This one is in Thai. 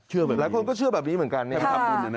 หลายคนก็เชื่อแบบนี้เหมือนกัน